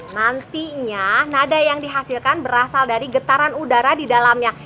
nantinya nada yang dihasilkan berasal dari getaran udara di dalamnya